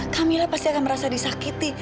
kamilah pasti akan merasa disakiti